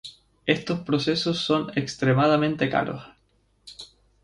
Estos procesos son extremadamente caros.